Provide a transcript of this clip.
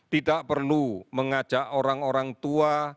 tidak perlu mengajak orang orang tua